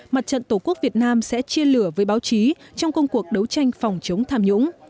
mặt trận tổ quốc việt nam sẽ chia lửa với báo chí trong công cuộc đấu tranh phòng chống tham nhũng